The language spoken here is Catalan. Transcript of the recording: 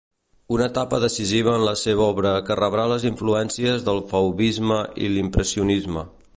Una etapa decisiva en la seva obra que rebrà les influències del fauvisme i l'impressionisme.